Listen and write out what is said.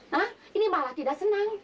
nah ini malah tidak senang